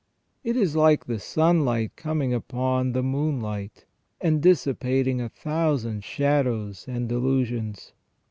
It is like the sunlight coming upon the moonlight, and dissipating a thousand shadows and delusions.